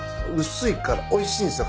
薄いからおいしいんですよ